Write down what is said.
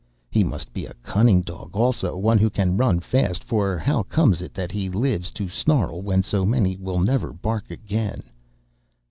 He must be a cunning dog also, one who can run fast, for how comes it that he lives to snarl when so many will never bark again?